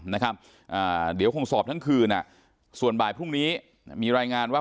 นะครับอ่าเดี๋ยวคงสอบทั้งคืนอ่ะส่วนบ่ายพรุ่งนี้มีรายงานว่า